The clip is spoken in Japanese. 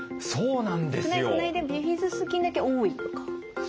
少ない少ないでビフィズス菌だけ多いとか。